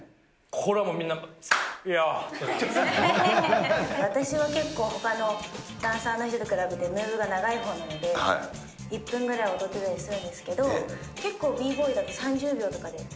これはもうみんな、私は結構ほかのダンサーの人と比べて、ムーブが長いほうなので、１分ぐらい踊ってたりするんですけど、結構Ｂボーイだと３０秒とかで。